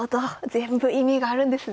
全部意味があるんですね。